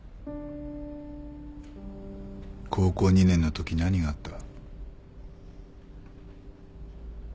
高校２年のとき何があった？